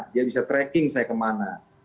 dia bisa tracking saya kemana